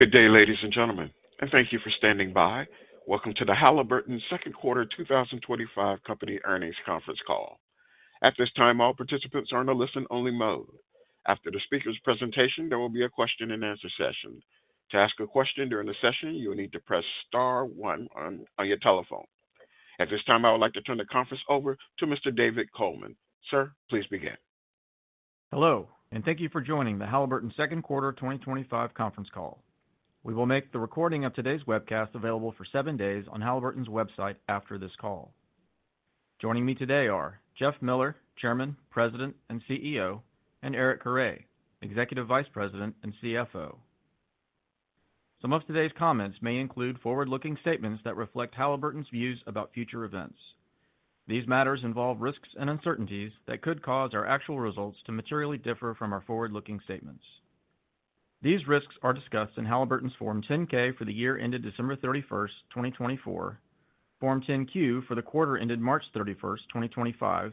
Good day, ladies and gentlemen, and thank you for standing by. Welcome to the Halliburton Second Quarter 2025 Company Earnings Conference Call. At this time, all participants are in a listen-only mode. After the speaker's presentation, there will be a question-and-answer session. To ask a question during the session, you will need to press Star 1 on your telephone. At this time, I would like to turn the conference over to Mr. David Coleman. Sir, please begin. Hello, and thank you for joining the Halliburton Second Quarter 2025 Conference Call. We will make the recording of today's webcast available for seven days on Halliburton's website after this call. Joining me today are Jeff Miller, Chairman, President, and CEO, and Eric Carre, Executive Vice President and CFO. Some of today's comments may include forward-looking statements that reflect Halliburton's views, about future events. These matters involve risks and uncertainties that could cause our actual results to materially differ from our forward-looking statements. These risks are discussed in Halliburton's Form 10-K, for the year ended December 31, 2024, Form 10-Q for the quarter ended March 31, 2025,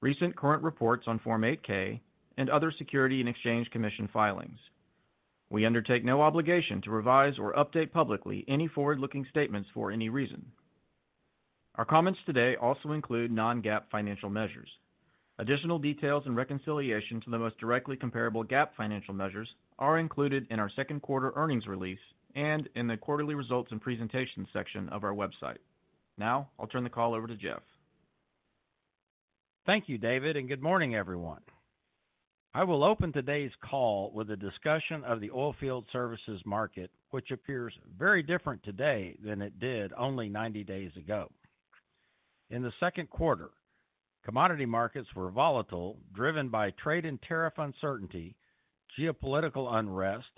recent current reports on Form 8-K, and other Securities and Exchange Commission filings. We undertake no obligation to revise or update publicly any forward-looking statements for any reason. Our comments today also include non-GAAP financial measures. Additional details and reconciliation to the most directly comparable GAAP financial measures, are included in our second quarter earnings release, and in the quarterly results and presentations section of our website. Now, I'll turn the call over to Jeff. Thank you, David, and good morning, everyone. I will open today's call with a discussion of the oilfield services market, which appears very different today than it did only 90 days ago. In the second quarter, commodity markets were volatile, driven by trade and tariff uncertainty, geopolitical unrest,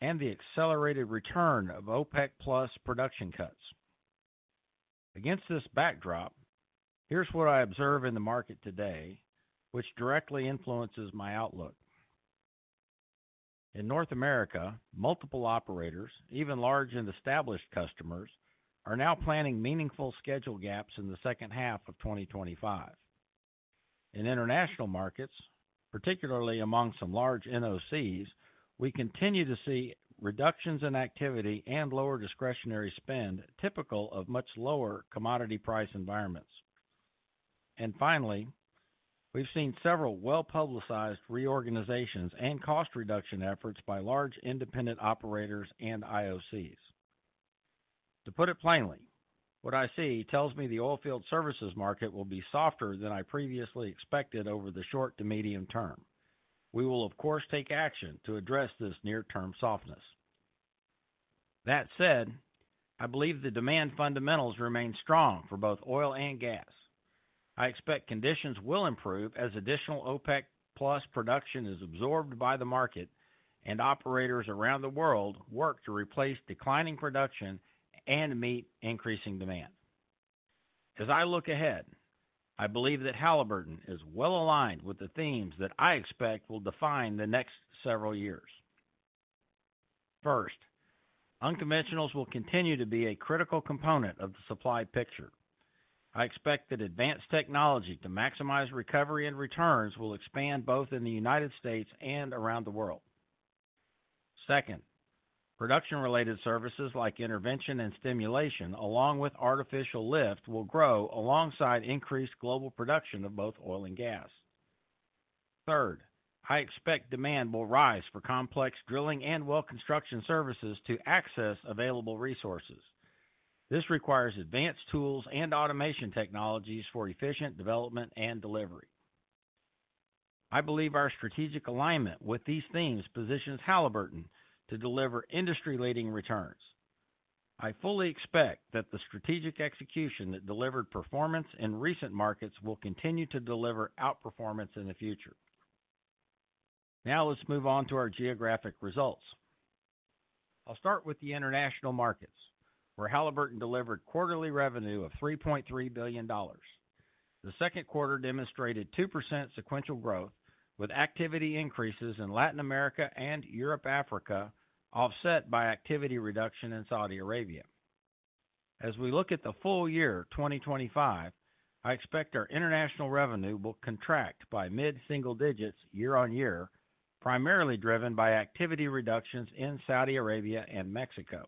and the accelerated return of OPEC, plus production cuts. Against this backdrop, here's what I observe in the market today, which directly influences my outlook. In North America, multiple operators, even large and established customers, are now planning meaningful schedule gaps in the second half of 2025. In international markets, particularly among some large NOCs, we continue to see reductions in activity and lower discretionary spend, typical of much lower commodity price environments. Finally, we've seen several well-publicized reorganizations and cost reduction efforts by large independent operators and IOCs. To put it plainly, what I see tells me the oilfield services market will be softer than I previously expected over the short to medium term. We will, of course, take action to address this near-term softness. That said, I believe the demand fundamentals remain strong for both oil and gas. I expect conditions will improve as additional OPEC, plus production is absorbed by the market, and operators around the world work to replace declining production and meet increasing demand. As I look ahead, I believe that Halliburton, is well aligned with the themes that I expect will define the next several years. First. Unconventionals will continue to be a critical component of the supply picture. I expect that advanced technology to maximize recovery and returns will expand both in the United States and around the world. Second. Production-related services like intervention and stimulation, along with artificial lift, will grow alongside increased global production of both oil and gas. Third, I expect demand will rise for complex drilling and well construction services to access available resources. This requires advanced tools and automation technologies for efficient development and delivery. I believe our strategic alignment with these themes positions Halliburton to deliver industry-leading returns. I fully expect that the strategic execution that delivered performance in recent markets will continue to deliver outperformance in the future. Now, let's move on to our geographic results. I'll start with the international markets, where Halliburton, delivered quarterly revenue of $3.3 billion. The second quarter demonstrated 2% sequential growth, with activity increases in Latin America and Europe, Africa, offset by activity reduction in Saudi Arabia. As we look at the full year 2025, I expect our international revenue will contract by mid-single digits year on year, primarily driven by activity reductions in Saudi Arabia and Mexico.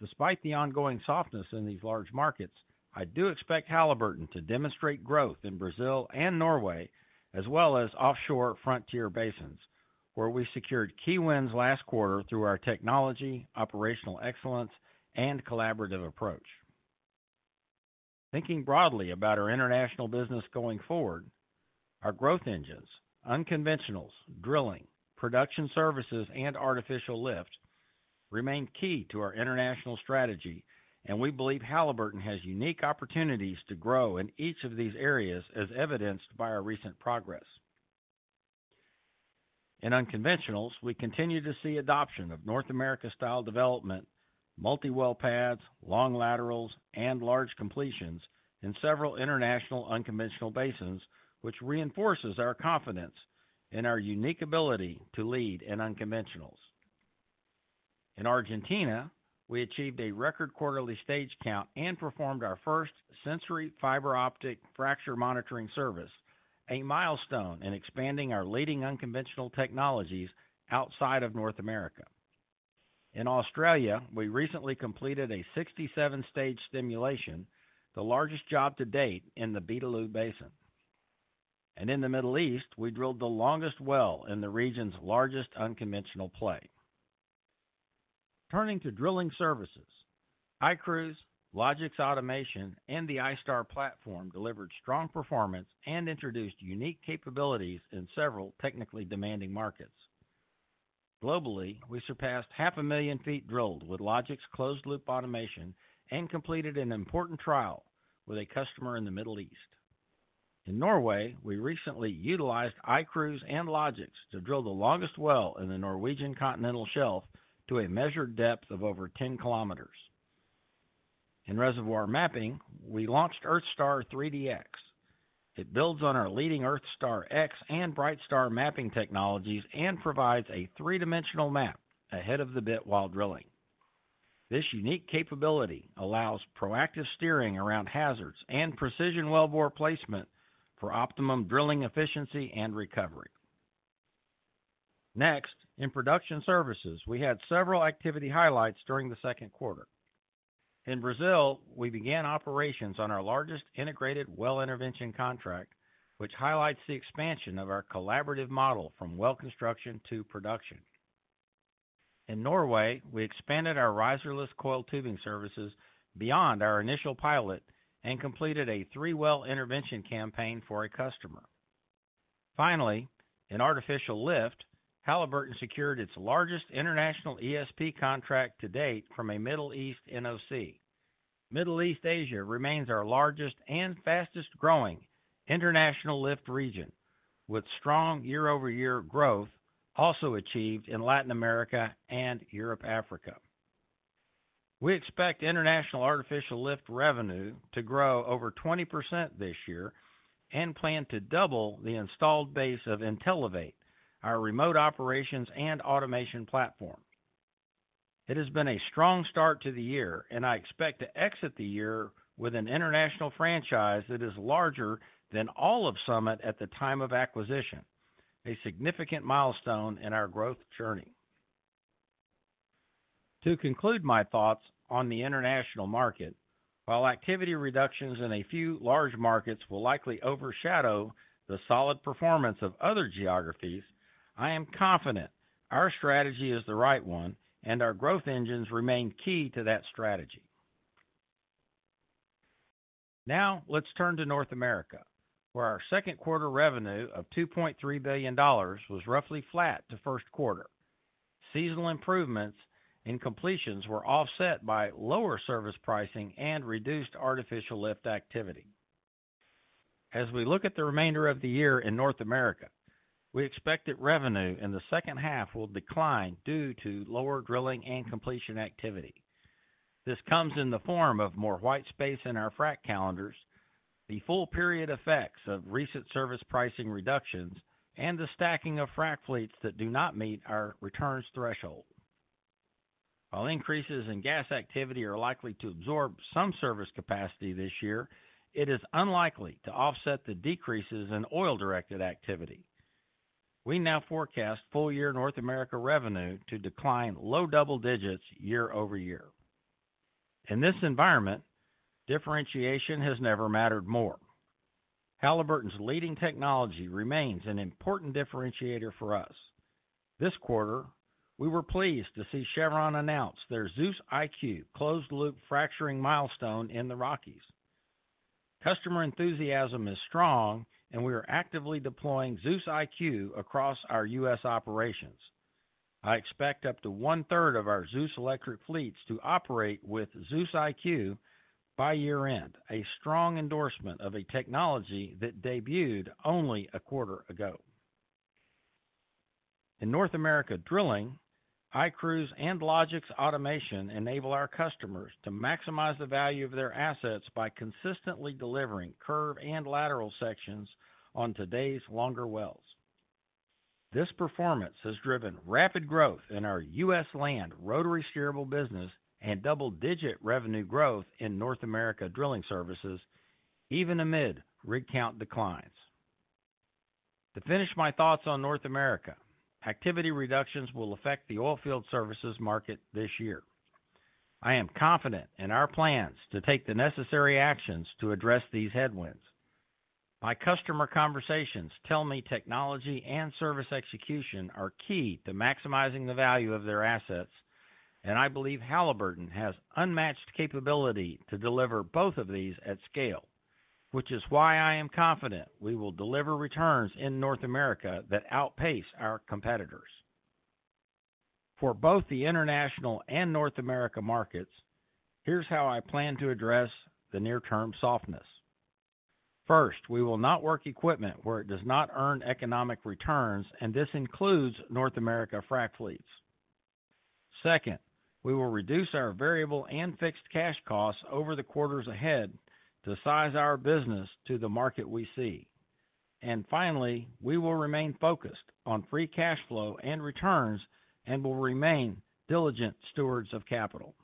Despite the ongoing softness in these large markets, I do expect Halliburton, to demonstrate growth in Brazil and Norway, as well as offshore frontier basins, where we secured key wins last quarter through our technology, operational excellence, and collaborative approach. Thinking broadly about our international business going forward, our growth engines—unconventionals, drilling, production services, and artificial lift—remain key to our international strategy, and we believe Halliburton, has unique opportunities to grow in each of these areas, as evidenced by our recent progress. In unconventionals, we continue to see adoption of North America-style development, multi-well pads, long laterals, and large completions in several international unconventional basins, which reinforces our confidence in our unique ability to lead in unconventionals. In Argentina, we achieved a record quarterly stage count and performed our first sensory fiber optic fracture monitoring service, a milestone in expanding our leading unconventional technologies outside of North America. In Australia, we recently completed a 67-stage stimulation, the largest job to date in the Betelgeuse Basin. In the Middle East, we drilled the longest well in the region's largest unconventional play. Turning to drilling services, iCruise, Logix Automation, and the iStar platform, delivered strong performance and introduced unique capabilities in several technically demanding markets. Globally, we surpassed 500,000 ft, drilled with Logix closed-loop automation and completed an important trial with a customer in the Middle East. In Norway, we recently utilized iCruise and Logix, to drill the longest well in the Norwegian continental shelf, to a measured depth of over 10 km. In reservoir mapping, we launched EarthStar 3DX. It builds on our leading EarthStar X and BrightStar mapping technologies, and provides a three-dimensional map, ahead of the bit while drilling. This unique capability allows proactive steering around hazards and precision well bore placement for optimum drilling efficiency and recovery. Next, in production services, we had several activity highlights during the second quarter. In Brazil, we began operations on our largest integrated well intervention contract, which highlights the expansion of our collaborative model from well construction to production. In Norway, we expanded our riserless coil tubing services, beyond our initial pilot and completed a three-well intervention campaign for a customer. Finally, in artificial lift, Halliburton, secured its largest international ESP contract, to date from a Middle East, NOC. Middle East Asia, remains our largest and fastest-growing international lift region, with strong year-over-year growth also achieved in Latin America and Europe, Africa. We expect international artificial lift revenue to grow over 20% this year and plan to double the installed base of Intelevate, our remote operations and automation platform. It has been a strong start to the year, and I expect to exit the year with an international franchise that is larger than all of Summit, at the time of acquisition, a significant milestone in our growth journey. To conclude my thoughts on the international market, while activity reductions in a few large markets will likely overshadow the solid performance of other geographies, I am confident our strategy is the right one, and our growth engines remain key to that strategy. Now, let's turn to North America, where our second quarter revenue of $2.3 billion was roughly flat to first quarter. Seasonal improvements and completions were offset by lower service pricing and reduced artificial lift activity. As we look at the remainder of the year in North America, we expect that revenue in the second half will decline due to lower drilling and completion activity. This comes in the form of more white space in our frac calendars, the full period effects of recent service pricing reductions, and the stacking of frac fleets, that do not meet our returns threshold. While increases in gas activity are likely to absorb some service capacity this year, it is unlikely to offset the decreases in oil-directed activity. We now forecast full-year North America revenue, to decline low double digits year over year. In this environment, differentiation has never mattered more. Halliburton's leading technology, remains an important differentiator for us. This quarter, we were pleased to see Chevron announce their ZEUS IQ, closed-loop fracturing milestone in the Rockies. Customer enthusiasm is strong, and we are actively deploying ZEUS IQ, across our U.S. operations. I expect up to one-third of our ZEUS electric fleets, to operate with ZEUS IQ, by year-end, a strong endorsement of a technology that debuted only a quarter ago. In North America drilling, iCruise and Logix Automation, enable our customers to maximize the value of their assets by consistently delivering curve and lateral sections on today's longer wells. This performance has driven rapid growth in our U.S. land rotary steerable business and double-digit revenue growth in North America drilling services, even amid recount declines. To finish my thoughts on North America, activity reductions will affect the oilfield services market this year. I am confident in our plans to take the necessary actions to address these headwinds. My customer conversations tell me technology and service execution are key to maximizing the value of their assets, and I believe Halliburton, has unmatched capability to deliver both of these at scale, which is why I am confident we will deliver returns in North America, that outpace our competitors. For both the international and North America markets, here is how I plan to address the near-term softness. First, we will not work equipment where it does not earn economic returns, and this includes North America frac fleets. Second, we will reduce our variable and fixed cash costs, over the quarters ahead to size our business to the market we see. Finally, we will remain focused on free cash flow and returns and will remain diligent stewards of capital.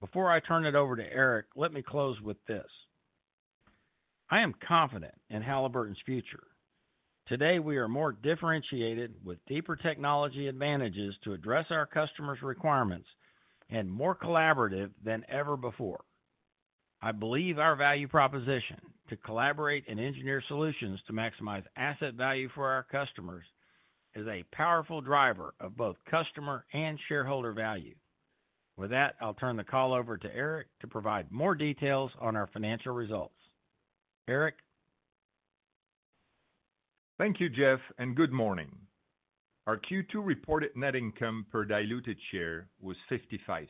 Before I turn it over to Eric, let me close with this. I am confident in Halliburton's future. Today, we are more differentiated with deeper technology advantages to address our customers' requirements and more collaborative than ever before. I believe our value proposition to collaborate and engineer solutions to maximize asset value for our customers is a powerful driver of both customer and shareholder value. With that, I'll turn the call over to Eric to provide more details on our financial results. Eric. Thank you, Jeff, and good morning. Our Q2 reported net income per diluted share, was $0.55.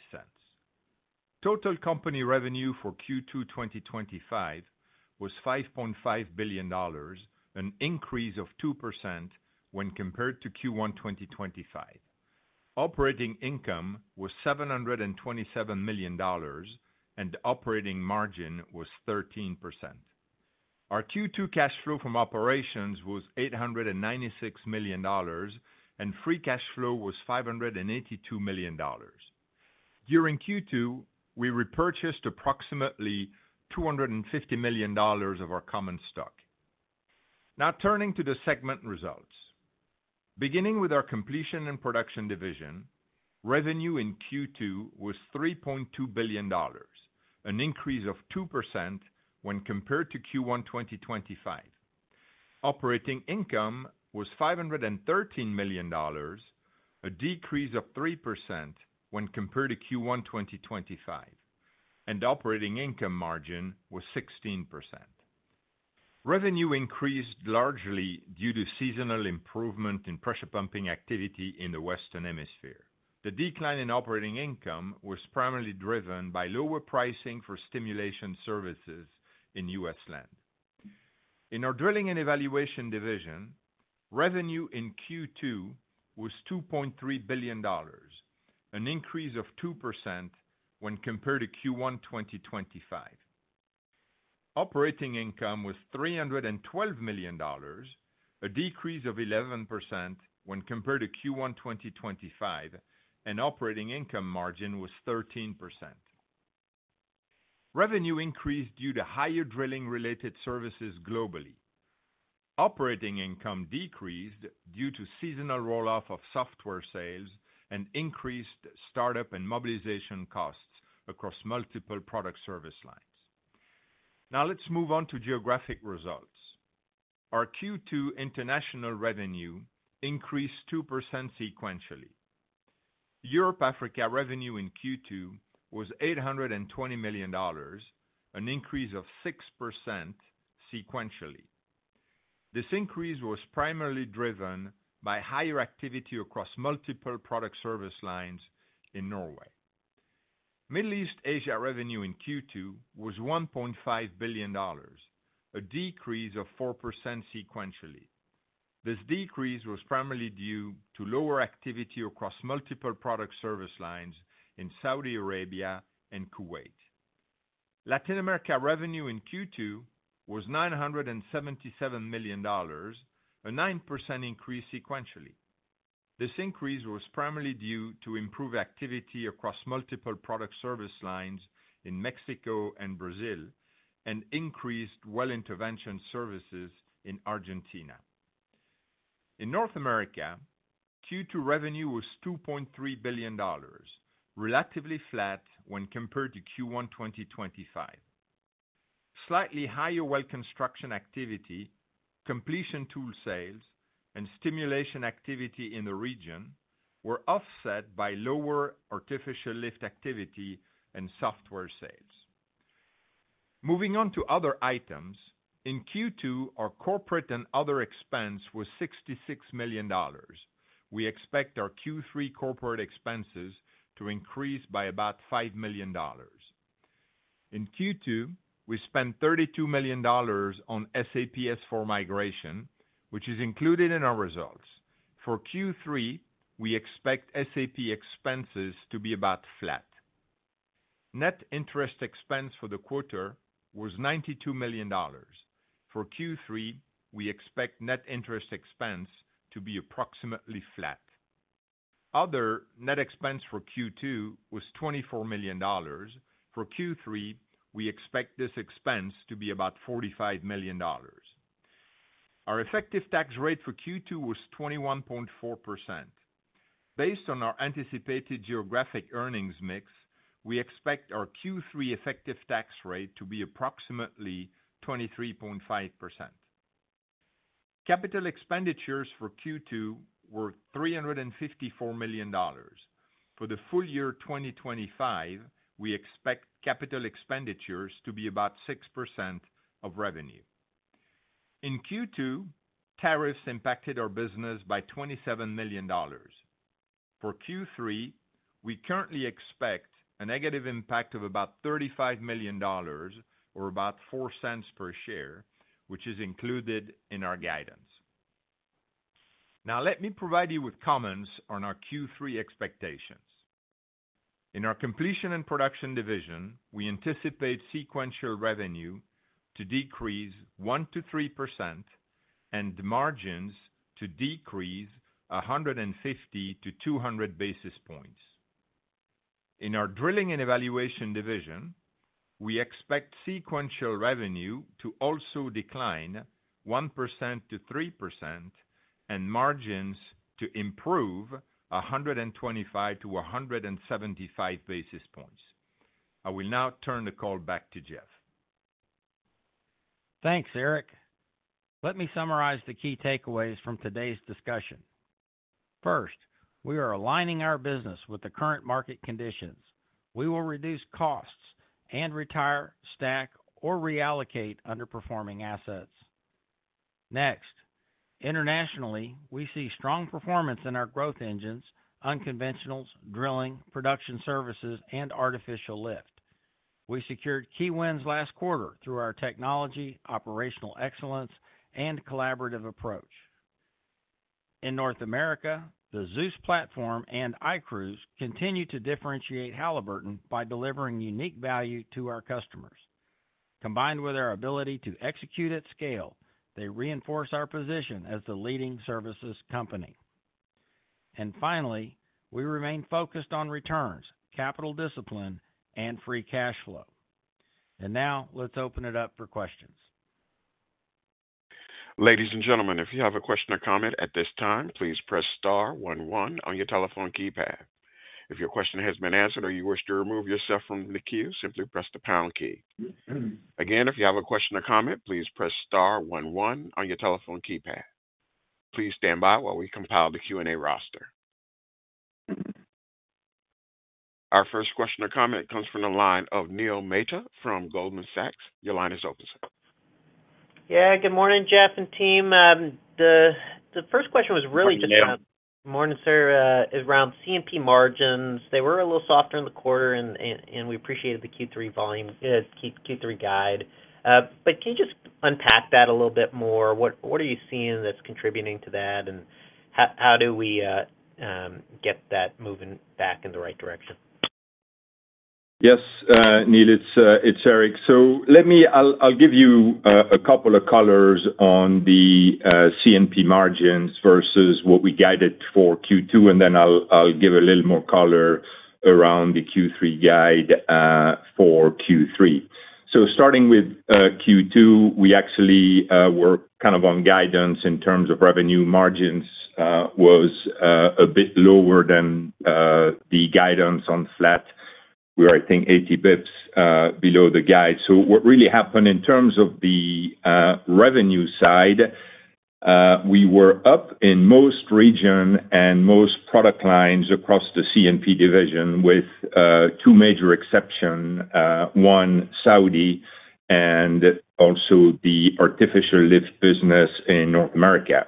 Total company revenue for Q2 2025, was $5.5 billion, an increase of 2%, when compared to Q1 2025. Operating income, was $727 million, and the operating margin, was 13%. Our Q2 cash flow from operations, was $896 million, and free cash flow, was $582 million. During Q2, we repurchased approximately $250 million of our common stock. Now, turning to the segment results. Beginning with our completion & production division. Revenue in Q2, was $3.2 billion, an increase of 2%, when compared to Q1 2025. Operating income, was $513 million, a decrease of 3%, when compared to Q1 2025, and operating income margin was 16%. Revenue increased largely due to seasonal improvement in pressure pumping activity in the Western Hemisphere. The decline in operating income was primarily driven by lower pricing for stimulation services in U.S. land. In our drilling & evaluation division, revenue in Q2, was $2.3 billion, an increase of 2%, when compared to Q1 2025. Operating income, was $312 million, a decrease of 11%, when compared to Q1 2025, and operating income margin, was 13%. Revenue increased due to higher drilling-related services globally. Operating income, decreased due to seasonal rollout of software sales and increased startup and mobilization costs, across multiple product service lines. Now, let's move on to geographic results. Our Q2 international revenue, increased 2%, sequentially. Europe, Africa revenue in Q2, was $820 million, an increase of 6%, sequentially. This increase was primarily driven by higher activity across multiple product service lines in Norway. Middle East-Asia revenue in Q2, was $1.5 billion, a decrease of 4%, sequentially. This decrease was primarily due to lower activity across multiple product service lines in Saudi Arabia and Kuwait. Latin America revenue in Q2, was $977 million, a 9%, increase sequentially. This increase was primarily due to improved activity across multiple product service lines in Mexico and Brazil, and increased well intervention services in Argentina. In North America, Q2 revenue, was $2.3 billion, relatively flat when compared to Q1 2025. Slightly higher well construction activity, completion tool sales, and stimulation activity in the region were offset by lower artificial lift activity and software sales. Moving on to other items, in Q2, our corporate and other expense, was $66 million. We expect our Q3 corporate expenses, to increase by about $5 million. In Q2, we spent $32 million on SAP S/4 migration, which is included in our results. For Q3, we expect SAP expenses, to be about flat. Net interest expense for the quarter, was $92 million. For Q3, we expect net interest expense to be approximately flat. Other net expense for Q2, was $24 million. For Q3, we expect this expense to be about $45 million. Our effective tax rate for Q2, was 21.4%. Based on our anticipated geographic earnings mix, we expect our Q3 effective tax rate, to be approximately 23.5%. Capital expenditures for Q2, were $354 million. For the full year 2025, we expect capital expenditures to be about 6% of revenue. In Q2, tariffs impacted our business by $27 million. For Q3, we currently expect a negative impact of about $35 million, or about 0.04 cents per share, which is included in our guidance. Now, let me provide you with comments on our Q3 expectations. In our completion & production division, we anticipate sequential revenue, to decrease 1%-3%, and margins to decrease 150-200 basis points. In our drilling & evaluation division, we expect sequential revenue, to also decline 1%-3%, and margins to improve 125-175 basis points. I will now turn the call back to Jeff. Thanks, Eric. Let me summarize the key takeaways from today's discussion. First, we are aligning our business with the current market conditions. We will reduce costs and retire, stack, or reallocate underperforming assets. Next, internationally, we see strong performance in our growth engines, unconventionals, drilling, production services, and artificial lift. We secured key wins last quarter through our technology, operational excellence, and collaborative approach. In North America, the ZEUS platform and iCruise, continue to differentiate Halliburton, by delivering unique value to our customers. Combined with our ability to execute at scale, they reinforce our position as the leading services company. Finally, we remain focused on returns, capital discipline, and free cash flow. Now, let's open it up for questions. Ladies and gentlemen, if you have a question or comment at this time, please press star 11 on your telephone keypad. If your question has been answered or you wish to remove yourself from the queue, simply press the pound key. Again, if you have a question or comment, please press star 11 on your telephone keypad. Please stand by while we compile the Q&A roster. Our first question or comment comes from the line of Neil Mehta, from Goldman Sachs. Your line is open. Yeah, good morning, Jeff and team. The first question was really just around. Good morning, sir. It's around C&P margins. They were a little softer in the quarter, and we appreciated the Q3 guide. Can you just unpack that a little bit more? What are you seeing that's contributing to that, and how do we get that moving back in the right direction? Yes, Neil, it's Eric. I'll give you a couple of colors on the C&P margins, versus what we guided for Q2, and then I'll give a little more color around the Q3 guide for Q3. Starting with Q2, we actually were kind of on guidance in terms of revenue. Margins was a bit lower than the guidance on flat. We were, I think, 80 basis points below the guide. What really happened in terms of the revenue side, we were up in most region and most product lines across the C&P division, with two major exceptions, one Saudi, and also the artificial lift business in North America.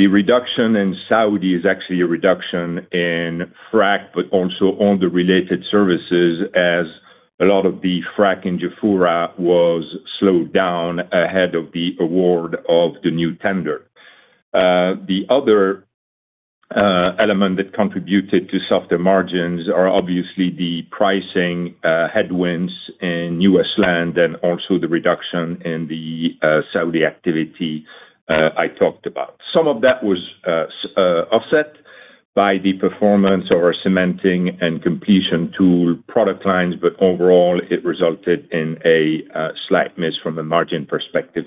The reduction in Saudi, is actually a reduction in frac, but also on the related services as a lot of the frac in Jafura, was slowed down ahead of the award of the new tender. The other element that contributed to softer margins are obviously the pricing headwinds in U.S. land and also the reduction in the Saudi, activity I talked about. Some of that was offset by the performance of our cementing and completion tool product lines, but overall, it resulted in a slight miss from a margin perspective.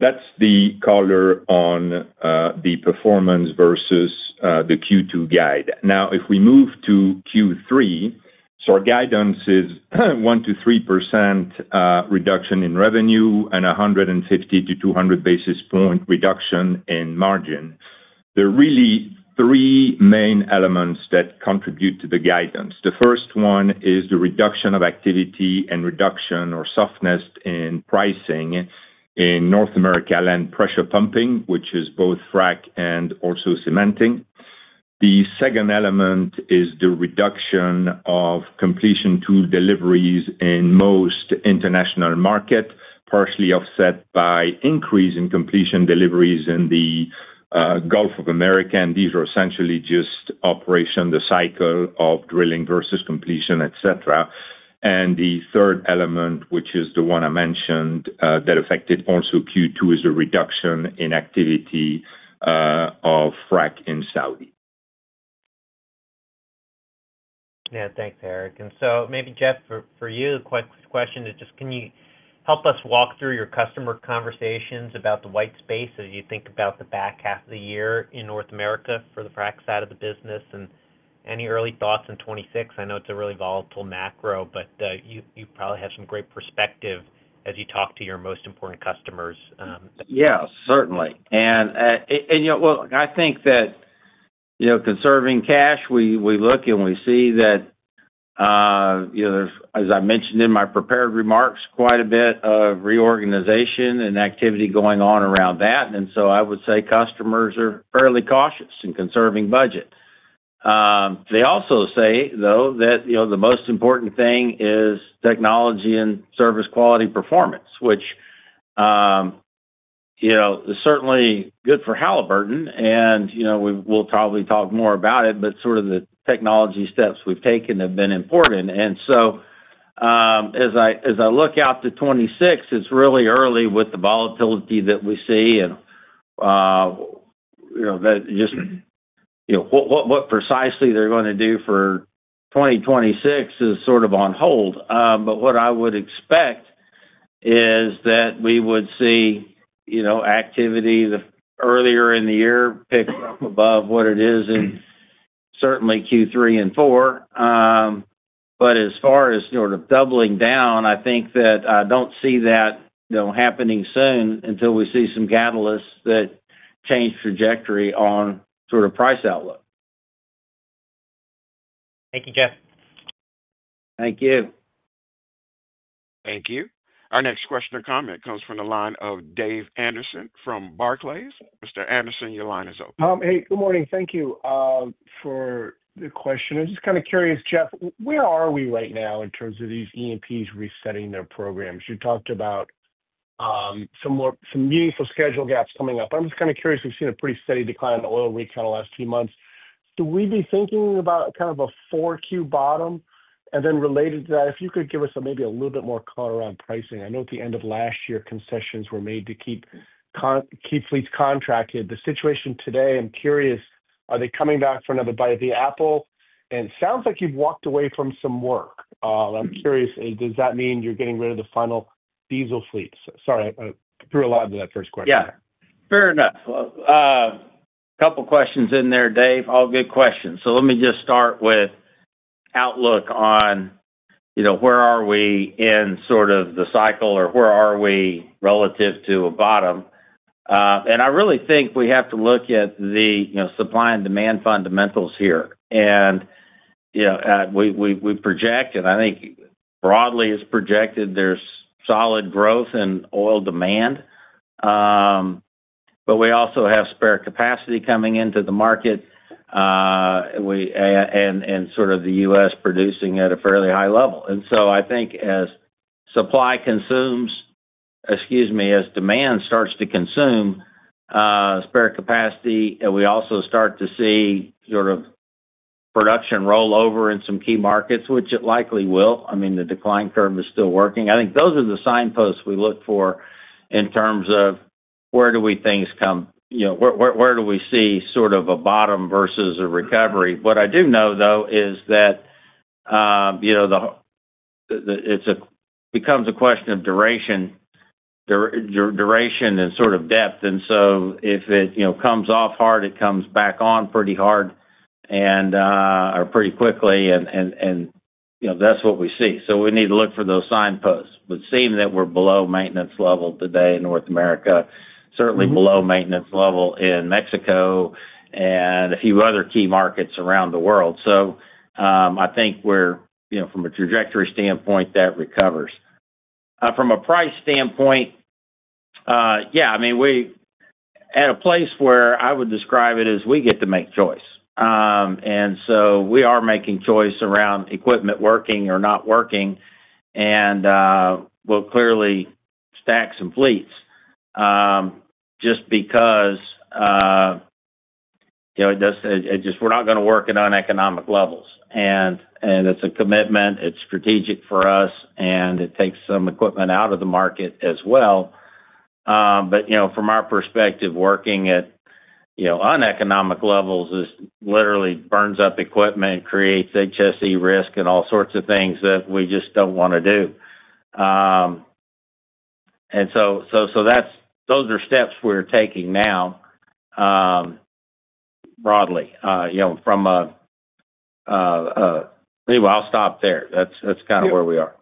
That is the color on the performance, versus the Q2 guide. Now, if we move to Q3, our guidance is 1%-3%, reduction in revenue and 150-200 basis point reduction in margin. There are really three main elements that contribute to the guidance. The first one is the reduction of activity and reduction or softness in pricing in North America, and pressure pumping, which is both frac and also cementing. The second element is the reduction of completion tool deliveries, in most international market, partially offset by increase in completion deliveries in the Gulf of America. These are essentially just operation, the cycle of drilling versus completion, etc. The third element, which is the one I mentioned that affected also Q2, is the reduction in activity of frac in Saudi. Yeah, thanks, Eric. Maybe, Jeff, for you, a quick question is just, can you help us walk through your customer conversations about the white space as you think about the back half of the year in North America, for the frac side of the business and any early thoughts in 2026? I know it is a really volatile macro, but you probably have some great perspective as you talk to your most important customers. Yeah, certainly. I think that conserving cash, we look and we see that there is, as I mentioned in my prepared remarks, quite a bit of reorganization and activity going on around that. I would say customers are fairly cautious in conserving budget. They also say, though, that the most important thing is technology and service quality performance, which is certainly good for Halliburton, and we will probably talk more about it, but sort of the technology steps we have taken have been important. As I look out to 2026, it is really early with the volatility that we see and just what precisely they are going to do for 2026, is sort of on hold. What I would expect is that we would see activity earlier in the year pick up above what it is in certainly Q3 and Q4. As far as sort of doubling down, I think that I do not see that happening soon until we see some catalysts that change trajectory on sort of price outlook. Thank you, Jeff. Thank you. Thank you. Our next question or comment comes from the line of Dave Anderson, from Barclays. Mr. Anderson, your line is open. Hey, good morning. Thank you for the question. I'm just kind of curious, Jeff, where are we right now in terms of these EMPs resetting their programs? You talked about some meaningful schedule gaps coming up. I'm just kind of curious. We've seen a pretty steady decline in oil recount the last few months. Do we be thinking about kind of a Q4 bottom? And then related to that, if you could give us maybe a little bit more color on pricing. I know at the end of last year, concessions were made to keep fleets contracted. The situation today, I'm curious, are they coming back for another bite of the apple? And it sounds like you've walked away from some work. I'm curious, does that mean you're getting rid of the final diesel fleets? Sorry, I threw a lot into that first question. Yeah, fair enough. A couple of questions in there, Dave. All good questions. Let me just start with outlook on where are we in sort of the cycle or where are we relative to a bottom? I really think we have to look at the supply and demand fundamentals here. We project, and I think broadly is projected, there's solid growth in oil demand. We also have spare capacity coming into the market and sort of the U.S. producing at a fairly high level. I think as supply consumes, excuse me, as demand starts to consume spare capacity, and we also start to see sort of production rollover in some key markets, which it likely will. I mean, the decline curve is still working. I think those are the signposts we look for in terms of where do we things come, where do we see sort of a bottom versus a recovery. What I do know, though, is that it becomes a question of duration and sort of depth. If it comes off hard, it comes back on pretty hard or pretty quickly, and that's what we see. We need to look for those signposts. It would seem that we're below maintenance level today in North America, certainly below maintenance level in Mexico, and a few other key markets around the world. I think from a trajectory standpoint, that recovers. From a price standpoint, yeah, I mean, at a place where I would describe it as we get to make choice. We are making choice around equipment working or not working. We'll clearly stack some fleets just because we're not going to work at uneconomic levels. It's a commitment. It's strategic for us, and it takes some equipment out of the market as well. From our perspective, working at uneconomic levels literally burns up equipment, creates HSE risk, and all sorts of things that we just don't want to do. Those are steps we're taking now. Broadly, from a. Anyway, I'll stop there. That's kind of where we are.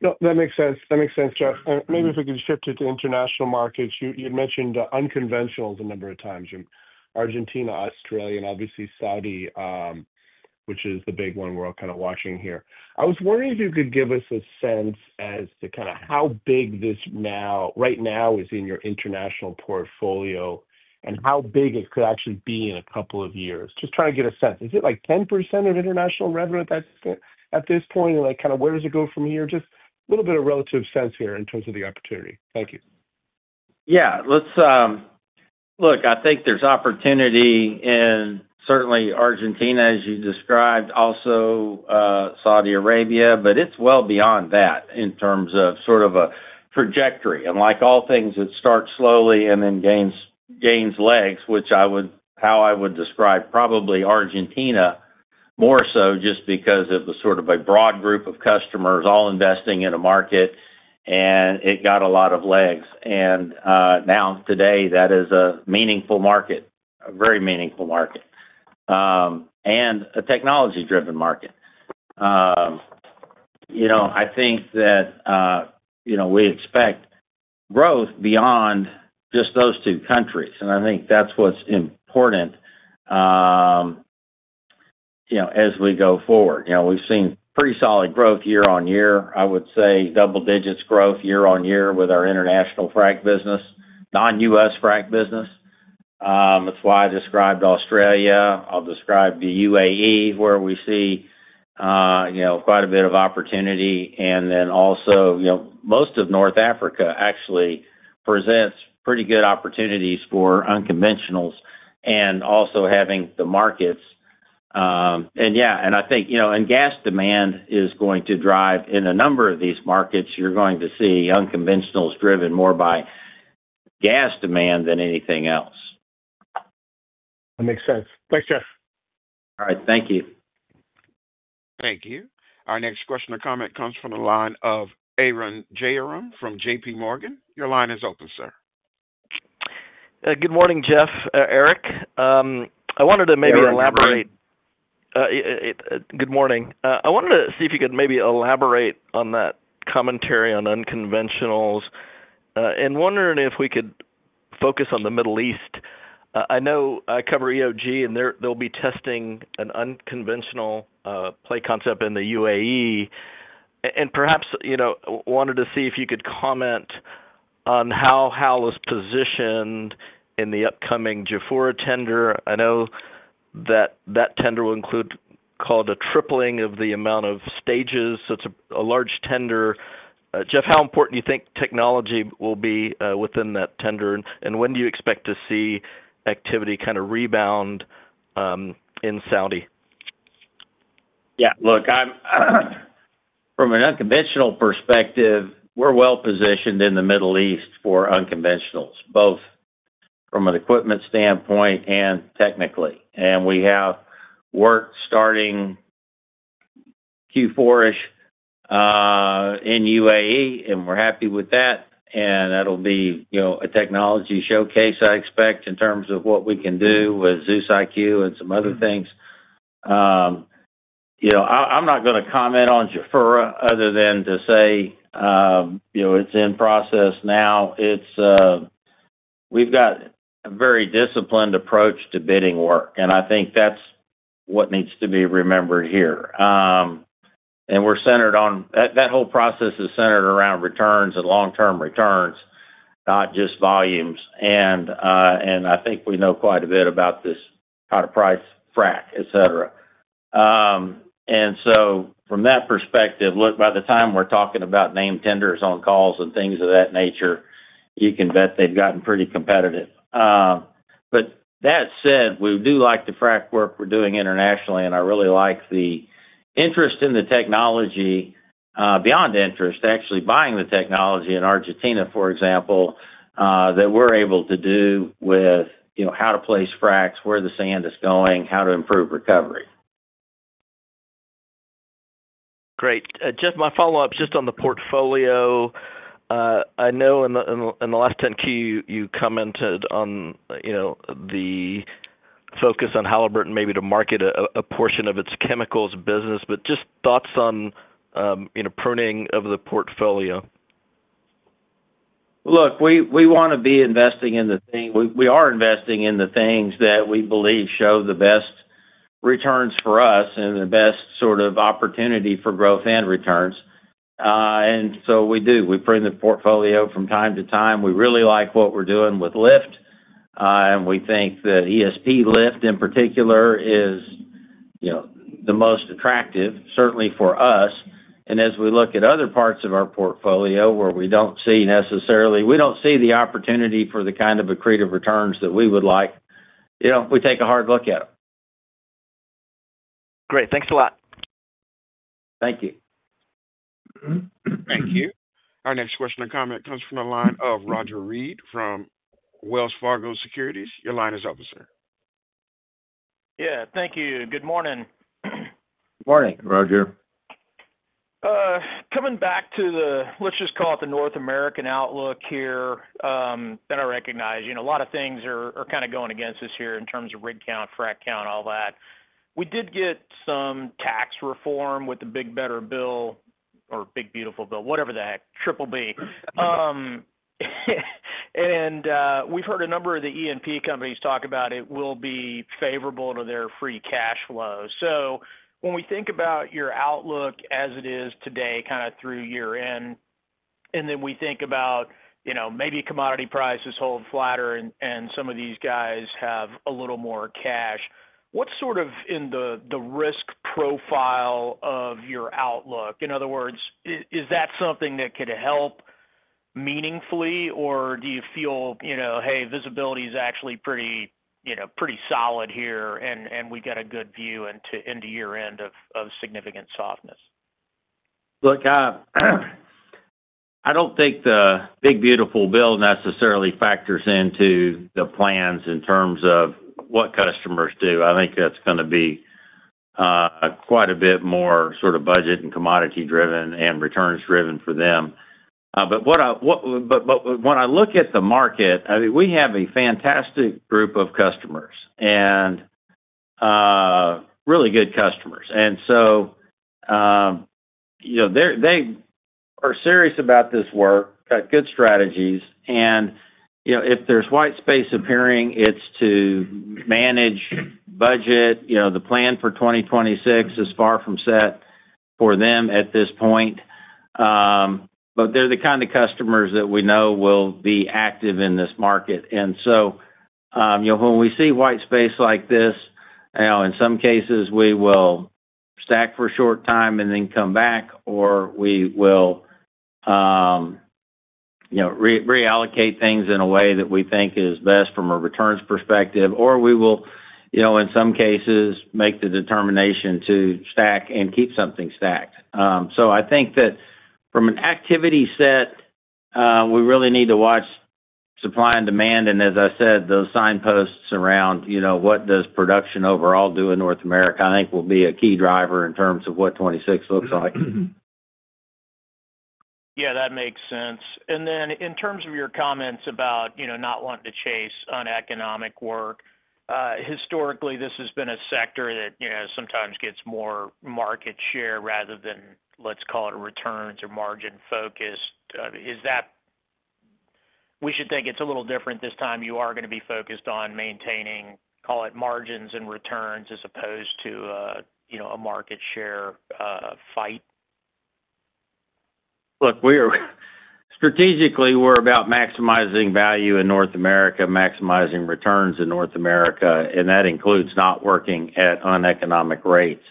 That makes sense. That makes sense, Jeff. Maybe if we could shift it to international markets, you had mentioned unconventional a number of times: Argentina, Australia, and obviously Saudi. Which is the big one we're all kind of watching here. I was wondering if you could give us a sense as to kind of how big this right now is in your international portfolio and how big it could actually be in a couple of years. Just trying to get a sense. Is it like 10%, of international revenue at this point? And kind of where does it go from here? Just a little bit of relative sense here in terms of the opportunity. Thank you. Yeah. Look, I think there's opportunity in certainly Argentina, as you described, also Saudi Arabia, but it's well beyond that in terms of sort of a trajectory. Like all things, it starts slowly and then gains legs, which is how I would describe probably Argentina. More so just because it was sort of a broad group of customers all investing in a market. It got a lot of legs. Now today, that is a meaningful market, a very meaningful market, and a technology-driven market. I think that we expect growth beyond just those two countries. I think that's what's important as we go forward. We've seen pretty solid growth year on year, I would say double-digits growth year on year with our international frac business, non-U.S. frac business. That's why I described Australia. I'll describe the UAE, where we see quite a bit of opportunity. Also, most of North Africa, actually presents pretty good opportunities for unconventionals and also having the markets. Yeah, and I think gas demand is going to drive in a number of these markets. You're going to see unconventionals driven more by gas demand than anything else. That makes sense. Thanks, Jeff. All right. Thank you. Thank you. Our next question or comment comes from the line of Arun Jayaram, from JPMorgan. Your line is open, sir. Good morning, Jeff, Eric. I wanted to maybe elaborate. Good morning. I wanted to see if you could maybe elaborate on that commentary on unconventionals. Wondering if we could focus on the Middle East. I know I cover EOG, and they'll be testing an unconventional play concept in the UAE. Perhaps wanted to see if you could comment on how Halliburton, is positioned in the upcoming Jafura tender. I know that that tender will include what is called a tripling of the amount of stages. So it's a large tender. Jeff, how important do you think technology will be within that tender? When do you expect to see activity kind of rebound in Saudi? Yeah. Look. From an unconventional perspective, we're well positioned in the Middle East, for unconventionals, both from an equipment standpoint and technically. We have work starting Q4-ish. In UAE, and we're happy with that. That'll be a technology showcase, I expect, in terms of what we can do with ZEUS IQ, and some other things. I'm not going to comment on Jafura, other than to say it's in process now. We've got a very disciplined approach to bidding work, and I think that's what needs to be remembered here. We're centered on that. The whole process is centered around returns and long-term returns, not just volumes. I think we know quite a bit about this kind of price, frac, etc. From that perspective, look, by the time we're talking about named tenders on calls and things of that nature, you can bet they've gotten pretty competitive. That said, we do like the frac work we're doing internationally, and I really like the interest in the technology, beyond interest, actually buying the technology in Argentina, for example, that we're able to do with how to place fracs, where the sand is going, how to improve recovery. Great. Jeff, my follow-up is just on the portfolio. I know in the last 10Q, you commented on the focus on Halliburton, maybe to market a portion of its chemicals business, but just thoughts on pruning of the portfolio. Look, we want to be investing in the things that we believe show the best returns for us and the best sort of opportunity for growth and returns. We prune the portfolio from time to time. We really like what we're doing with Lyft. We think that ESP Lyft, in particular, is the most attractive, certainly for us. As we look at other parts of our portfolio where we don't see necessarily the opportunity for the kind of accretive returns that we would like, we take a hard look at them. Great. Thanks a lot. Thank you. Thank you. Our next question or comment comes from the line of Roger Read, from Wells Fargo Securities. Your line is open, sir. Yeah. Thank you. Good morning. Good morning, Roger. Coming back to the, let's just call it the North America, outlook here. I recognize a lot of things are kind of going against us here in terms of rig count, frac count, all that. We did get some tax reform, with the Big Better Bill or Big Beautiful Bill, whatever the heck, Triple B. We've heard a number of the EMP companies, talk about it will be favorable to their free cash flow. When we think about your outlook as it is today, kind of through year-end, and then we think about maybe commodity prices hold flatter and some of these guys have a little more cash, what's sort of in the risk profile of your outlook? In other words, is that something that could help meaningfully, or do you feel, hey, visibility is actually pretty. Solid here and we got a good view into year-end of significant softness. Look. I do not think the Big Beautiful Bill, necessarily factors into the plans in terms of what customers do. I think that is going to be quite a bit more sort of budget and commodity-driven and returns-driven for them. When I look at the market, I mean, we have a fantastic group of customers and really good customers. They are serious about this work, got good strategies. If there is white space appearing, it is to manage budget. The plan for 2026, is far from set for them at this point. They are the kind of customers that we know will be active in this market. When we see white space like this, in some cases, we will stack for a short time and then come back, or we will reallocate things in a way that we think is best from a returns perspective, or we will, in some cases, make the determination to stack and keep something stacked. I think that from an activity set, we really need to watch supply and demand. As I said, those signposts around what does production overall do in North America, I think, will be a key driver in terms of what 2026, looks like. Yeah, that makes sense. In terms of your comments about not wanting to chase uneconomic work. Historically, this has been a sector that sometimes gets more market share rather than, let us call it, returns or margin-focused. We should think it is a little different this time. You are going to be focused on maintaining, call it, margins and returns as opposed to a market share fight. Look, strategically, we are about maximizing value in North America, maximizing returns in North America, and that includes not working at uneconomic rates.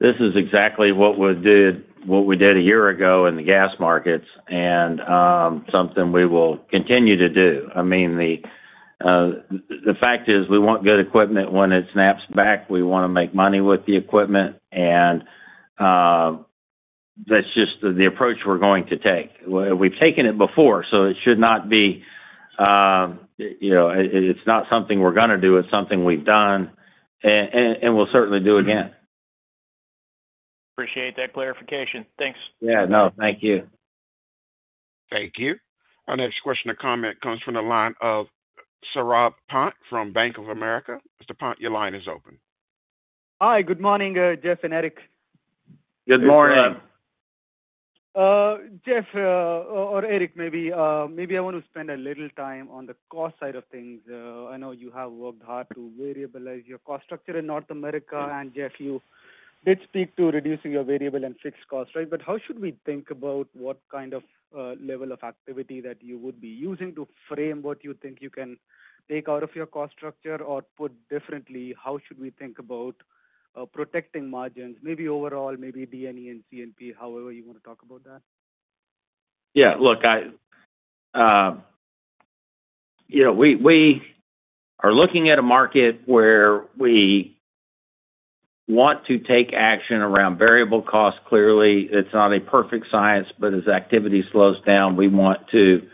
This is exactly what we did a year ago in the gas markets and something we will continue to do. I mean, the fact is we want good equipment when it snaps back. We want to make money with the equipment. That is just the approach we are going to take. We have taken it before, so it should not be. It is not something we are going to do. It is something we have done. We will certainly do again. Appreciate that clarification. Thanks. Yeah. No, thank you. Thank you. Our next question or comment comes from the line of Saurabh Pant, from Bank of America. Mr. Pant, your line is open. Hi. Good morning, Jeff and Eric. Good morning. Jeff or Eric, maybe I want to spend a little time on the cost side of things. I know you have worked hard to variabilize your cost structure in North America. Jeff, you did speak to reducing your variable and fixed costs, right? But how should we think about what kind of level of activity that you would be using to frame what you think you can take out of your cost structure or, put differently, how should we think about protecting margins, maybe overall, maybe D&E and C&P, however you want to talk about that? Yeah. Look, we are looking at a market where we want to take action around variable costs. Clearly, it's not a perfect science, but as activity slows down, we want to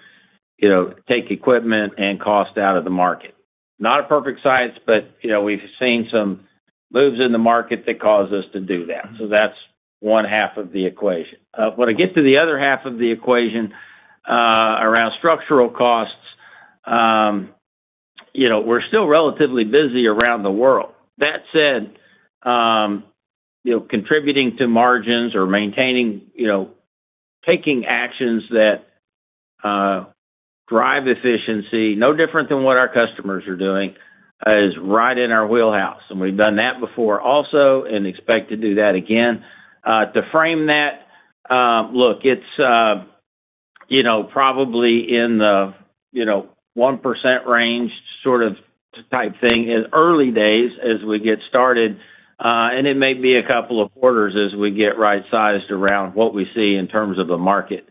take equipment and cost out of the market. Not a perfect science, but we've seen some moves in the market that cause us to do that. That's one half of the equation. When I get to the other half of the equation around structural costs, we're still relatively busy around the world. That said, contributing to margins or taking actions that drive efficiency, no different than what our customers are doing, is right in our wheelhouse. We've done that before also and expect to do that again. To frame that, look, it's probably in the 1%, range sort of type thing in early days as we get started, and it may be a couple of quarters as we get right-sized around what we see in terms of the market.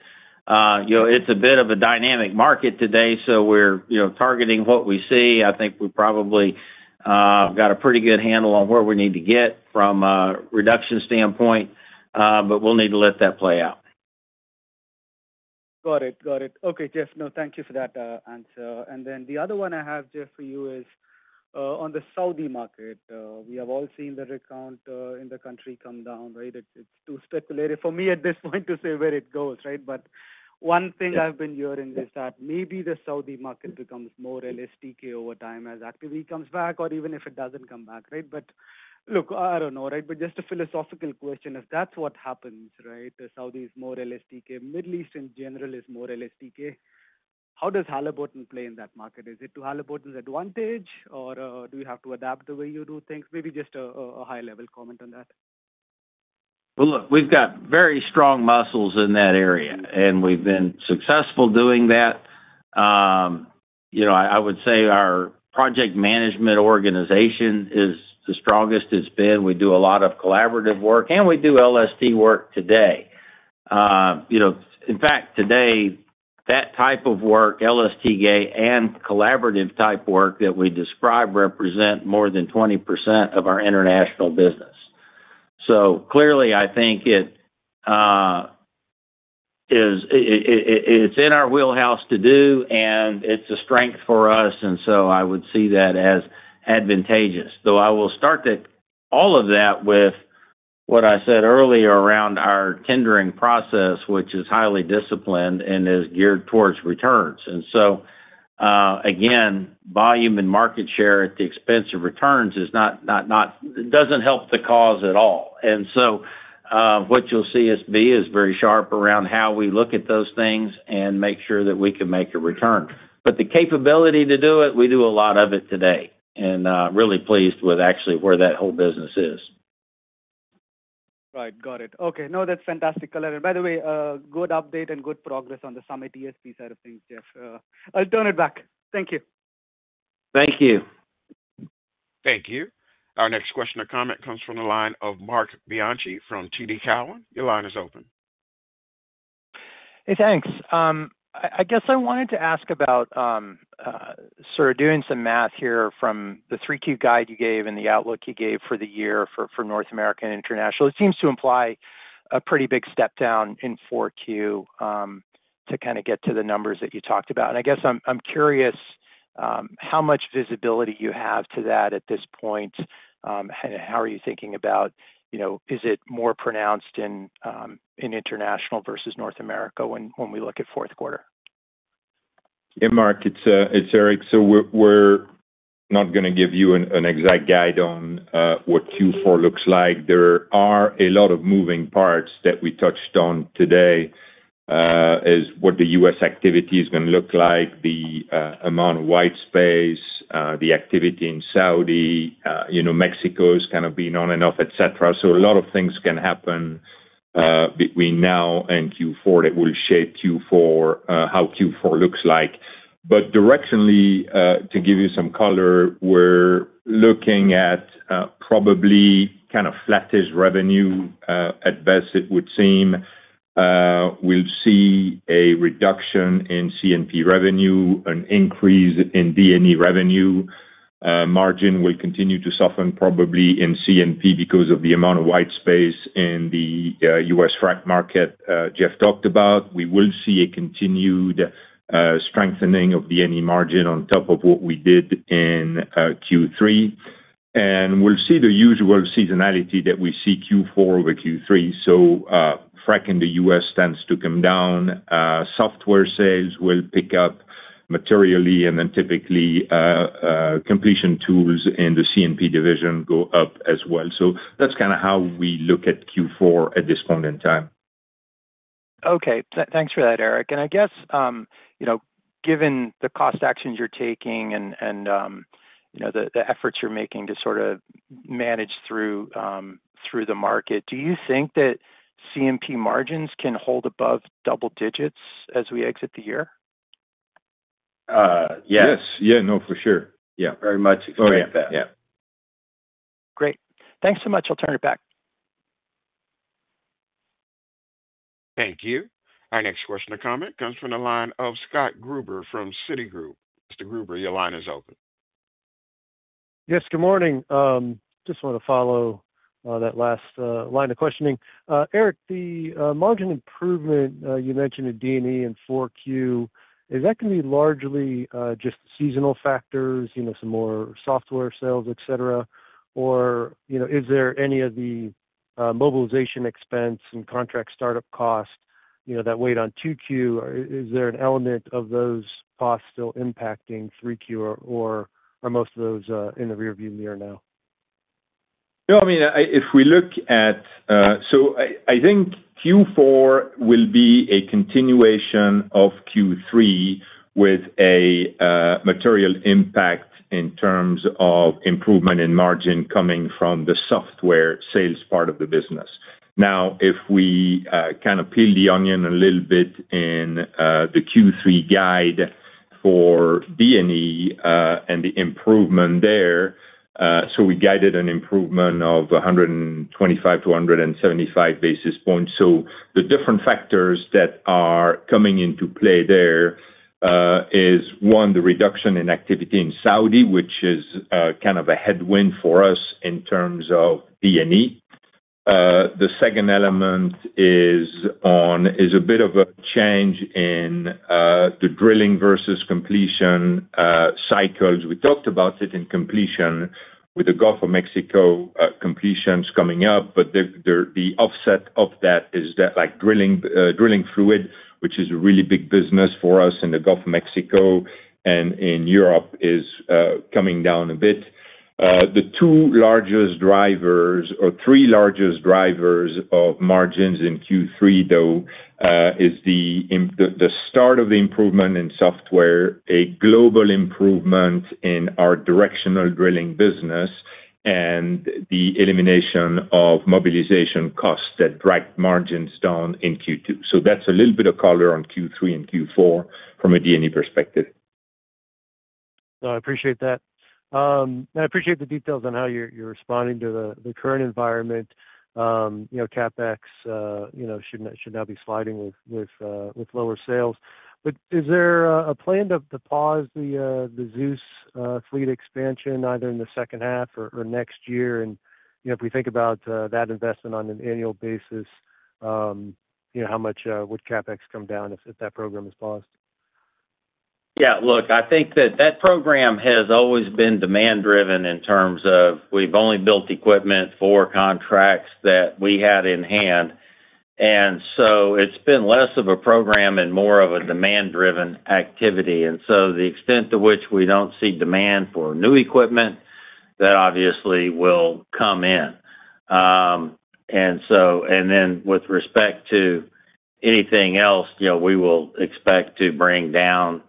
It's a bit of a dynamic market today, so we're targeting what we see. I think we probably got a pretty good handle on where we need to get from a reduction standpoint, but we'll need to let that play out. Got it. Got it. Okay, Jeff, no, thank you for that answer. The other one I have, Jeff, for you is on the Saudi market. We have all seen the recount in the country come down, right? It's too speculative for me at this point to say where it goes, right? One thing I've been hearing is that maybe the Saudi market, becomes more realistic over time as activity comes back, or even if it doesn't come back, right? I don't know, right? Just a philosophical question, if that's what happens, the Saudi, is more realistic, Middle East, in general is more realistic, how does Halliburton, play in that market? Is it to Halliburton's advantage, or do you have to adapt the way you do things? Maybe just a high-level comment on that. Look, we've got very strong muscles in that area, and we've been successful doing that. I would say our project management organization is the strongest it's been. We do a lot of collaborative work, and we do LST work, today. In fact, today, that type of work, LST and collaborative type work, that we describe, represent more than 20%, of our international business. Clearly, I think it is in our wheelhouse to do, and it's a strength for us. I would see that as advantageous. Though I will start all of that with what I said earlier around our tendering process, which is highly disciplined and is geared towards returns. Again, volume and market share at the expense of returns does not help the cause at all. What you will see us be is very sharp around how we look at those things and make sure that we can make a return. The capability to do it, we do a lot of it today. Really pleased with actually where that whole business is. Right. Got it. Okay. No, that is fantastic clear. By the way, good update and good progress on the Summit ESP, side of things, Jeff. I will turn it back. Thank you. Thank you. Thank you. Our next question or comment comes from the line of MarC Bianchi, from TD Cowen. Your line is open. Hey, thanks. I guess I wanted to ask about, sort of doing some math here from the 3Q guide, you gave and the outlook you gave for the year for North America, and international. It seems to imply a pretty big step down in 4Q to kind of get to the numbers that you talked about. I guess I am curious how much visibility you have to that at this point. How are you thinking about, is it more pronounced in international versus North America, when we look at fourth quarter? Yeah, Marc, it is Eric. We are not going to give you an exact guide on what Q4 looks like. There are a lot of moving parts that we touched on today. Is what the U.S. activity is going to look like, the amount of white space, the activity in Saudi, Mexico, is kind of being on and off, etc. A lot of things can happen between now and Q4 that will shape how Q4, looks like. Directionally, to give you some color, we are looking at probably kind of flattish revenue at best, it would seem. We will see a reduction in C&P revenue, an increase in D&E revenue. Margin will continue to soften probably in C&P, because of the amount of white space in the U.S. frac market, Jeff, talked about. We will see a continued strengthening of D&E margin, on top of what we did in Q3. We will see the usual seasonality that we see Q4 over Q3. frac in the U.S. tends to come down. Software sales will pick up materially, and then typically completion tools in the C&P division, go up as well. That is kind of how we look at Q4, at this point in time. Okay. Thanks for that, Eric. I guess, given the cost actions you are taking and the efforts you are making to sort of manage through the market, do you think that C&P margins, can hold above double digits as we exit the year? Yes. Yes. Yeah. No, for sure. Yeah. Very much expect that. Okay. Yeah. Great. Thanks so much. I'll turn it back. Thank you. Our next question or comment comes from the line of Scott Gruber, from Citi Group. Mr. Gruber, your line is open. Yes. Good morning. Just wanted to follow that last line of questioning. Eric, the margin improvement, you mentioned in D&E in Q4, is that going to be largely just seasonal factors, some more software sales, etc.? Or is there any of the mobilization expense and contract startup cost, that weighed on Q2? Is there an element of those costs still impacting Q3, or are most of those in the rearview mirror now? No, I mean, if we look at—so I think Q4, will be a continuation of Q3, with a material impact in terms of improvement in margin, coming from the software sales part of the business. Now, if we kind of peel the onion a little bit in the Q3 guide, for D&E and the improvement there, so we guided an improvement of 125-175 basis points. The different factors that are coming into play there: one, the reduction in activity in Saudi, which is kind of a headwind for us in terms of D&E. The second element is a bit of a change in the drilling versus completion cycles. We talked about it in completion with the Gulf of Mexico, completions coming up, but the offset of that is that drilling fluid, which is a really big business for us in the Gulf of Mexico and in Europe, is coming down a bit. The two largest drivers, or three largest drivers of margins in Q3, though, are the start of the improvement in software, a global improvement, in our directional drilling business, and the elimination of mobilization costs that dragged margins down in Q2. That's a little bit of color on Q3 and Q4, from a D&E perspective. No, I appreciate that. And I appreciate the details on how you're responding to the current environment. CapEx, should not be sliding with lower sales. Is there a plan to pause the ZEUS fleet, expansion either in the second half or next year? If we think about that investment on an annual basis, how much would CapEx, come down if that program is paused? Yeah. Look, I think that that program has always been demand-driven in terms of we've only built equipment for contracts that we had in hand. It's been less of a program and more of a demand-driven activity. To the extent to which we don't see demand for new equipment, that obviously will come in. With respect to anything else, we will expect to bring down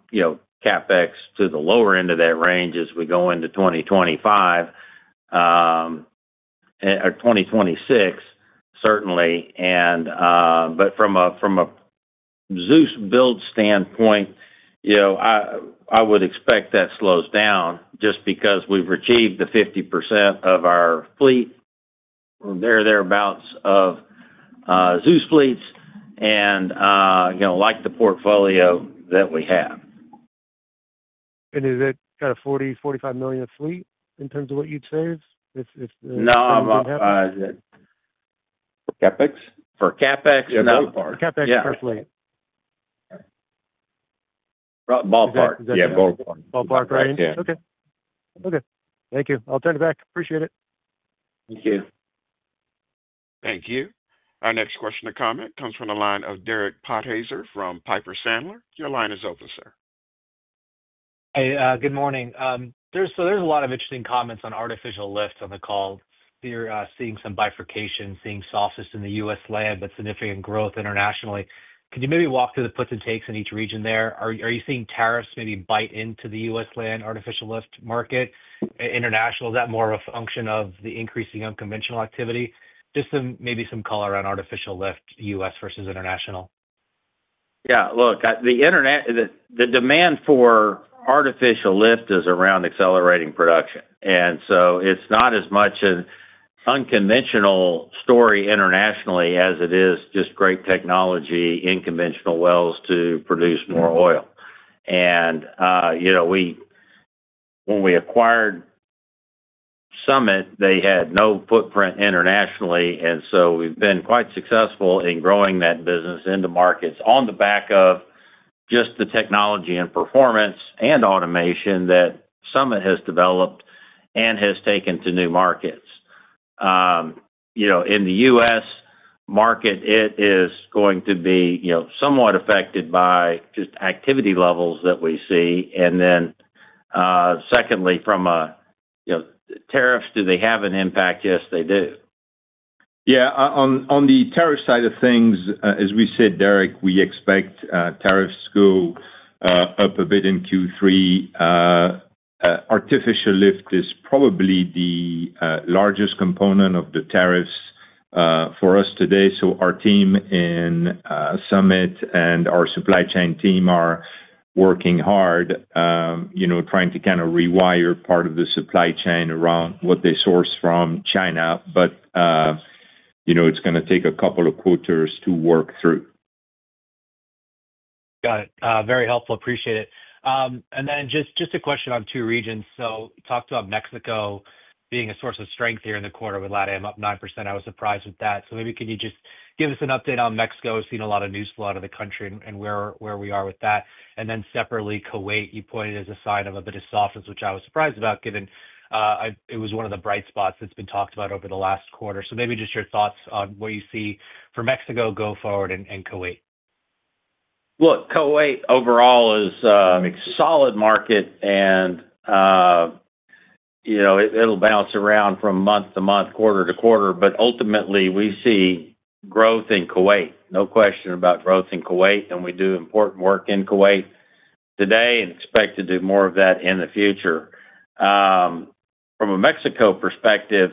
CapEx, to the lower end of that range as we go into 2025 or 2026, certainly. From a ZEUS, build standpoint, I would expect that slows down just because we've achieved the 50%, of our fleet, or thereabouts, of ZEUS fleets, and like the portfolio that we have. Is it kind of $40 million-$45 million a fleet in terms of what you'd save? For CapEx? For CapEx, no. For CapEx per fleet. Ballpark. Yeah. Ballpark. Ballpark, right? Yeah. Okay. Okay. Thank you. I'll turn it back. Appreciate it. Thank you. Thank you. Our next question or comment comes from the line of Derek Podhaizer, from Piper Sandler. Your line is open, sir. Hey. Good morning. There's a lot of interesting comments on artificial lift on the call. You're seeing some bifurcation, seeing softness in the U.S. land, but significant growth internationally. Could you maybe walk through the puts and takes in each region there? Are you seeing tariffs maybe bite into the U.S. land artificial lift market? International? Is that more of a function of the increasing unconventional activity? Just maybe some color on artificial lift, U.S. versus international. Yeah. Look, the demand for artificial lift is around accelerating production. It's not as much an unconventional story internationally as it is just great technology in conventional wells to produce more oil. When we acquired Summit, they had no footprint internationally. We've been quite successful in growing that business into markets on the back of just the technology and performance and automation that Summit, has developed and has taken to new markets. In the U.S. market, it is going to be somewhat affected by just activity levels that we see. Secondly, from a tariffs, do they have an impact? Yes, they do. On the tariff side of things, as we said, Derek, we expect tariffs to up a bit in Q3. Artificial lift is probably the largest component of the tariffs for us today. Our team in Summit, and our supply chain team, are working hard, trying to kind of rewire part of the supply chain around what they source from China. It's going to take a couple of quarters to work through. Got it. Very helpful. Appreciate it. And then just a question on two regions. Talked about Mexico, being a source of strength here in the quarter with Latin America, up 9%. I was surprised with that. Maybe could you just give us an update on Mexico? We've seen a lot of news flood out of the country and where we are with that. Separately, Kuwait, you pointed as a sign of a bit of softness, which I was surprised about given it was one of the bright spots that's been talked about over the last quarter. Maybe just your thoughts on what you see for Mexico, going forward and Kuwait. Look, Kuwait overall is a solid market, and it'll bounce around from month to month, quarter to quarter. Ultimately, we see growth in Kuwait. No question about growth in Kuwait. We do important work in Kuwait, today and expect to do more of that in the future. From a Mexico perspective,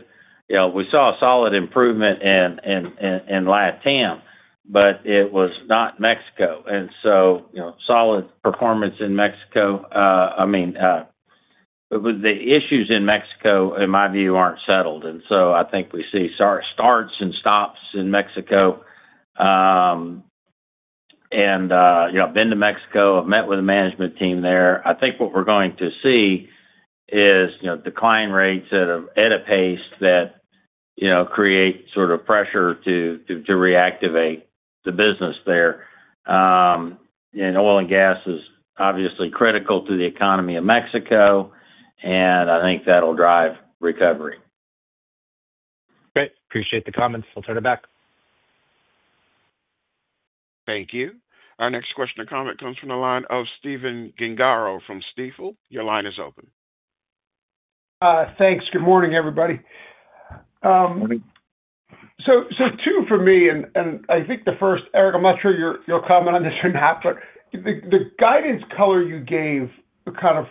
we saw a solid improvement. In Latin America, but it was not Mexico. Solid performance in Mexico. I mean, the issues in Mexico, in my view, are not settled. I think we see starts and stops in Mexico. I have been to Mexico. I have met with the management team there. I think what we are going to see is decline rates at a pace that create sort of pressure to reactivate the business there. Oil and gas is obviously critical to the economy of Mexico. I think that will drive recovery. Great. Appreciate the comments. I will turn it back. Thank you. Our next question or comment comes from the line of Stephen Gengaro, from Stifel. Your line is open. Thanks. Good morning, everybody. Good morning. Two for me. I think the first, Eric, I am not sure your comment on this or not, but the guidance color you gave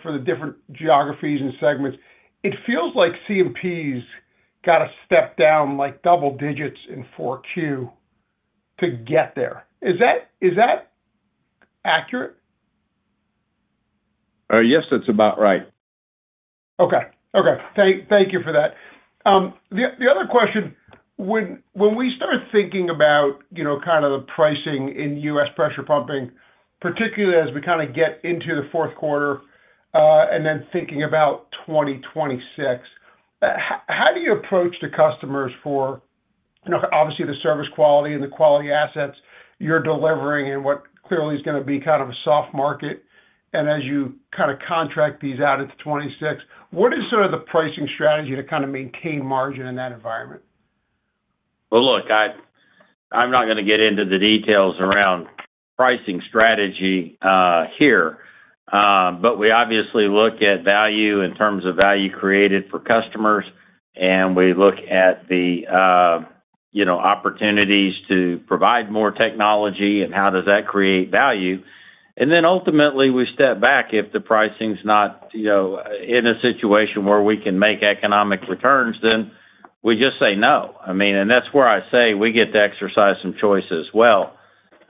for the different geographies and segments, it feels like C&P, has to step down like double digits in Q4, to get there. Is that accurate? Yes, that is about right. Okay. Thank you for that. The other question, when we start thinking about the pricing in U.S. pressure pumping, particularly as we get into the fourth quarter and then thinking about 2026, how do you approach the customers for obviously the service quality and the quality assets you are delivering in what clearly is going to be a soft market? As you contract these out into 2026, what is the pricing strategy, to maintain margin in that environment? I am not going to get into the details around pricing strategy, here. We obviously look at value, in terms of value created for customers. We look at the opportunities to provide more technology and how that creates value. Ultimately, we step back if the pricing is not in a situation where we can make economic returns, then we just say no. I mean, that is where I say we get to exercise some choice as well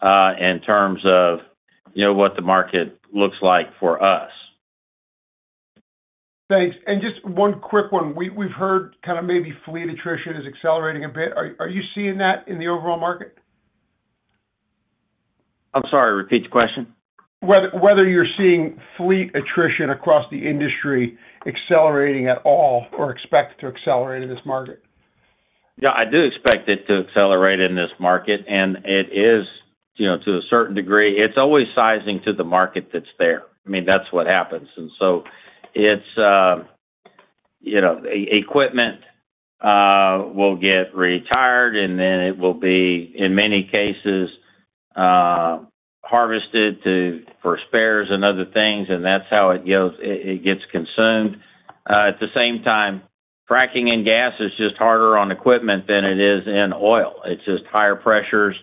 in terms of what the market looks like for us. Thanks. Just one quick one. We have heard maybe fleet attrition is accelerating a bit. Are you seeing that in the overall market? I am sorry. Repeat the question. Whether you are seeing fleet attrition, across the industry accelerating at all or expect to accelerate in this market? Yes. I do expect it to accelerate in this market. It is to a certain degree. It is always sizing to the market that is there. That is what happens. Equipment, will get retired, and then it will be, in many cases, harvested for spares and other things. That is how it gets consumed. At the same time, fracking and gas, is just harder on equipment than it is in oil. It is just higher pressures,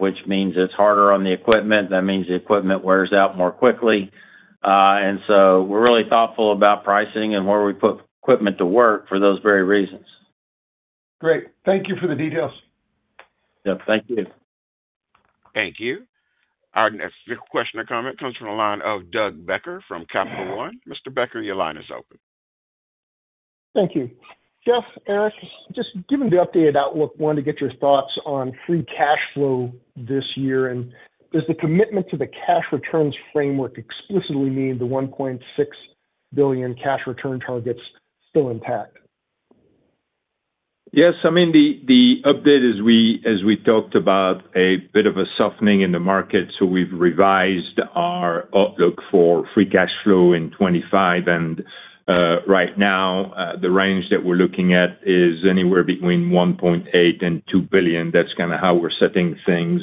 which means it is harder on the equipment. That means the equipment wears out more quickly. And so we're really thoughtful about pricing and where we put equipment to work for those very reasons. Great. Thank you for the details. Yep. Thank you. Thank you. Our next question or comment comes from the line of Doug Becker, from Capital One. Mr. Becker, your line is open. Thank you. Jeff, Eric, just give me the update about what we want to get your thoughts on free cash flow this year. And does the commitment to the cash returns framework explicitly mean the $1.6 billion cash return target is still intact? Yes. I mean, the update is we talked about a bit of a softening in the market. So we've revised our outlook for free cash flow in 2025. Right now, the range that we're looking at is anywhere between $1.8 billion and $2 billion. That's kind of how we're setting things.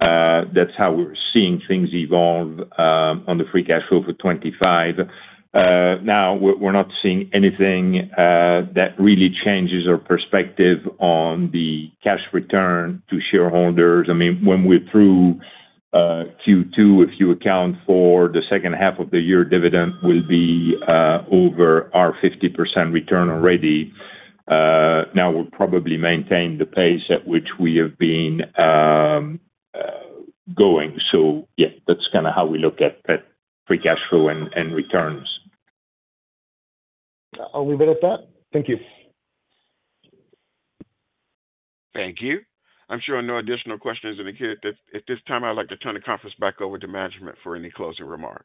That's how we're seeing things evolve on the free cash flow for 2025. Now, we're not seeing anything that really changes our perspective on the cash return to shareholders. I mean, when we're through Q2, if you account for the second half of the year, dividend will be over our 50%, return already. Now, we'll probably maintain the pace at which we have been going. So yeah, that's kind of how we look at free cash flow and returns. I'll leave it at that. Thank you. Thank you. I'm sure no additional questions are needed. At this time, I'd like to turn the conference back over to management for any closing remarks.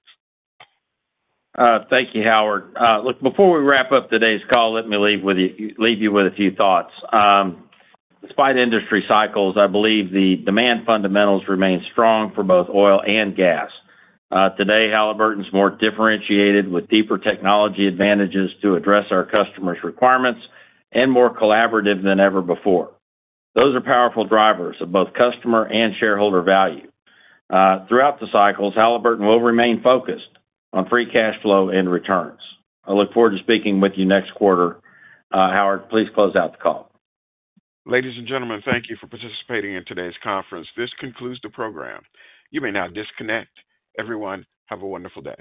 Thank you, Howard. Look, before we wrap up today's call, let me leave you with a few thoughts. Despite industry cycles, I believe the demand fundamentals remain strong for both oil and gas. Today, Halliburton's, more differentiated with deeper technology advantages to address our customers' requirements and more collaborative than ever before. Those are powerful drivers of both customer and shareholder value. Throughout the cycles, Halliburton, will remain focused on free cash flow and returns. I look forward to speaking with you next quarter. Howard, please close out the call. Ladies and gentlemen, thank you for participating in today's conference. This concludes the program. You may now disconnect. Everyone, have a wonderful day.